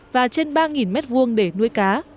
và trên ba m hai để nuôi cá